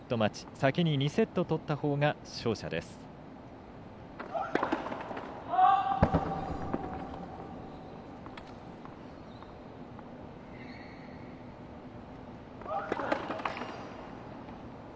先に２セット取ったほうが勝者です。